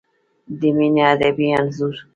د مینې ادبي انځور